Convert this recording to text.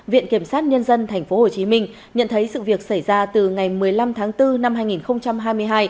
viện kiểm sát nhân dân tp hcm nhận thấy sự việc xảy ra từ ngày một mươi năm tháng bốn năm hai nghìn hai mươi hai